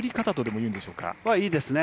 いいですね。